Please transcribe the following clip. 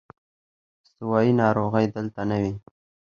استوايي ناروغۍ دلته نه وې.